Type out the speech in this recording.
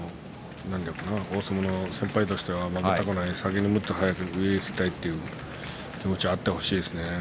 大相撲の先輩として負けたくない先にもっと上にいきたいという気持ちであってほしいですね。